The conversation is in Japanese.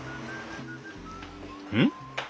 うん？